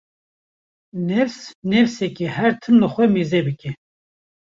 Nefs nefsek e her tim li xwe mêze dike